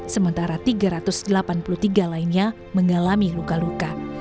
sementara tiga ratus delapan puluh tiga lainnya mengalami luka luka